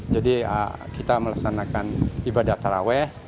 jadi kita melaksanakan ibadah taraweh